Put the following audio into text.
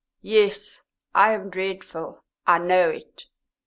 "Yes, I am dreadful; I know it.